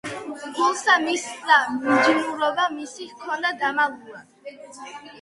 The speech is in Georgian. გულსა მისსა მიჯნურობა მისი ჰქონდა დამალულად; .